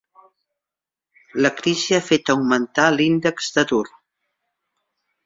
La crisi ha fet augmentar l'índex d'atur.